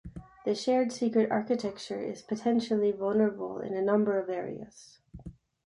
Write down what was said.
The shared secret architecture is potentially vulnerable in a number of areas.